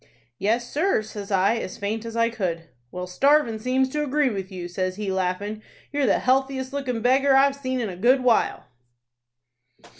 "'Yes, sir,' says I, as faint as I could. "'Well, starvin' seems to agree with you,' says he, laughin'. 'You're the healthiest lookin' beggar I've seen in a good while.'